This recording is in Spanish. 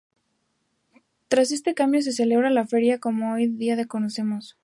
Tras este cambio se celebra la Feria como hoy día la conocemos.